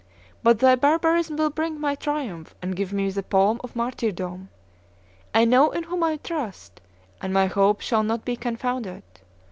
But thy barbarism will bring my triumph and give me the palm of martyrdom. I know in whom I trust, and my hope shall not be confounded.